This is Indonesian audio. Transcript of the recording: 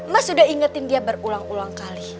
mas sudah ingetin dia berulang ulang kali